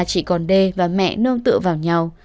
chị con đê và mẹ nương tựa vào nhau